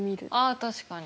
あ確かに。